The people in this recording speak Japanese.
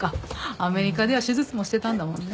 アメリカでは手術もしてたんだもんね。